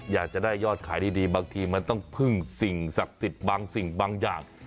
อยากจะได้ยอดขายดีบางทีมันต้องพึ่งสิ่งศักดิ์สิทธิ์บางสิ่งบางอย่าง